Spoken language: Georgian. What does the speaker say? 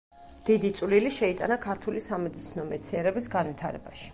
დიდი წვლილი შეიტანა ქართული სამედიცინო მეცნიერების განვითარებაში.